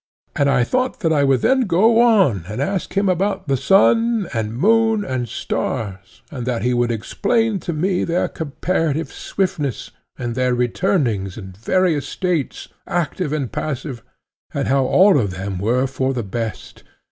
And I thought that I would then go on and ask him about the sun and moon and stars, and that he would explain to me their comparative swiftness, and their returnings and various states, active and passive, and how all of them were for the best.